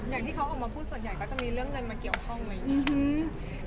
อย่างที่เขาออกมาพูดส่วนใหญ่ก็จะมีเรื่องเงินมาเกี่ยวข้องอะไรอย่างนี้